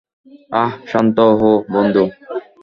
আহ, শান্ত হও, বন্ধু।